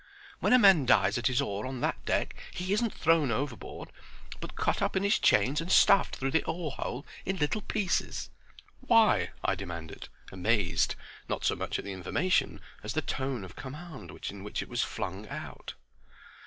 When a man dies at his oar on that deck he isn't thrown overboard, but cut up in his chains and stuffed through the oar hole in little pieces." "Why?" I demanded, amazed, not so much at the information as the tone of command in which it was flung out.